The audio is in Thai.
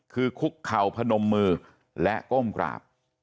คือคุกเข่าพนมมือและก้มกราบ